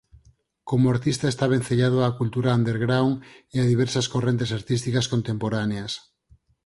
Como artista está vencellado á cultura underground e a diversas correntes artísticas contemporáneas.